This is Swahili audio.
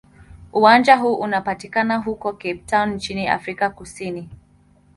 Uwanja huu unapatikana huko Cape Town nchini Afrika Kusini.